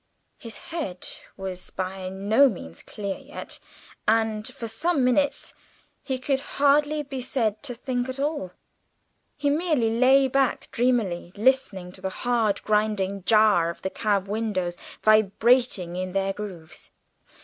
His head was by no means clear yet, and for some minutes he could hardly be said to think at all; he merely lay back dreamily listening to the hard grinding jar of the cab windows vibrating in their grooves.